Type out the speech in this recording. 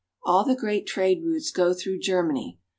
All the great trade routes go through Germany.